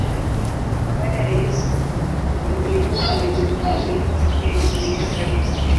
Baada ya Yesu, ndiye mtu anayejulikana zaidi katika Injili zote nne.